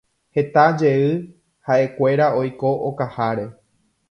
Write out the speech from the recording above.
heta jey ha'ekuéra oiko okaháre